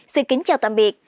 xin kính chào tạm biệt